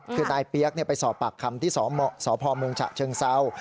คือนายเปี๊ยกไปสอบปากคำที่สพเมืองฉะเชิงเศร้า